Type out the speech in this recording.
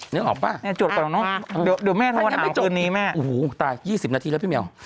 นึกออกป่ะโจทย์เปล่าเนอะเดี๋ยวแม่โทรหาวคืนนี้แม่โอ้โฮตาย๒๐นาทีแล้วพี่เมียว